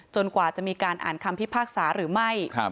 กว่าจะมีการอ่านคำพิพากษาหรือไม่